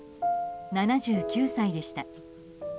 ７９歳でした。